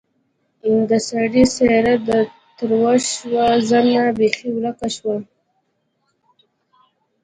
د سړي څېره تروه شوه زنه بېخي ورکه شوه.